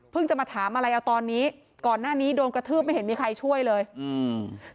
จะมาถามอะไรเอาตอนนี้ก่อนหน้านี้โดนกระทืบไม่เห็นมีใครช่วยเลยอืม